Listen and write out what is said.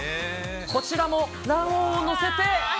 こちらも卵黄を載せて。